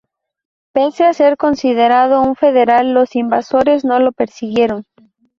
Pese a ser considerado un federal, los invasores no lo persiguieron.